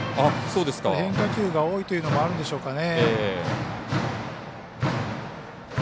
変化球が多いというのもあるんでしょうかね。